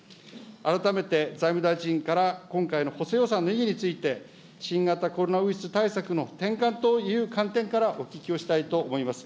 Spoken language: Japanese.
改めて財務大臣から、今回の補正予算の意義について、新型コロナウイルス対策の転換という観点から、お聞きをしたいと思います。